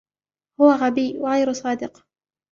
هو غبي وغير صادق.